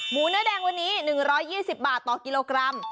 เนื้อแดงวันนี้๑๒๐บาทต่อกิโลกรัม